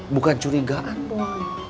bukan curigaan pom